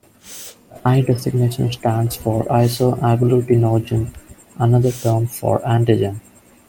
The "I" designation stands for isoagglutinogen, another term for antigen.